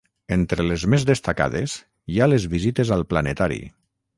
Entre les més destacades hi ha les visites al planetari.